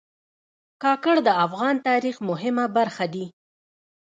کاکړ د افغان تاریخ مهمه برخه دي.